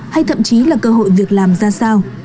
hay thậm chí là cơ hội việc làm ra sao